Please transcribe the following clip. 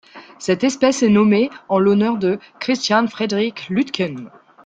Cette espèce est nommée en l'honneur de Christian Frederik Lütken.